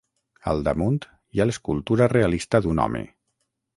Al damunt hi ha l'escultura realista d'un home.